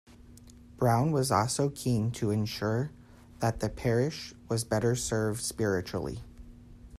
Browne was also keen to ensure that the parish was better served spiritually.